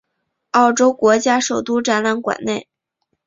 澳洲国家首都展览馆内。